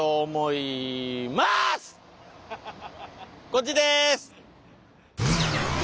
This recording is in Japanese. こっちです！